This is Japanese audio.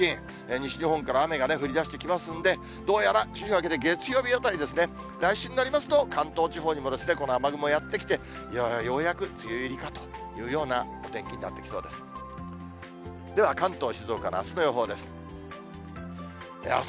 西日本から雨が降りだしてきますんで、どうやら週明け月曜日あたりですね、来週になりますと、関東地方にもこの雨雲やって来て、ようやく梅雨入りかというようなお天気になってきそうです。